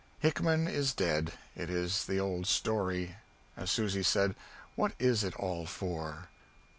Hickman is dead it is the old story. As Susy said, "What is it all for?"